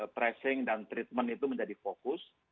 tracing dan treatment itu menjadi fokus